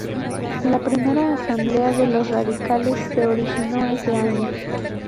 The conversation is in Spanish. La primera asamblea de los radicales se originó ese año.